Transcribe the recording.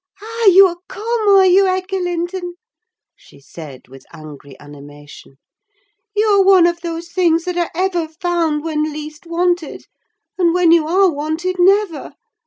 "Ah! you are come, are you, Edgar Linton?" she said, with angry animation. "You are one of those things that are ever found when least wanted, and when you are wanted, never!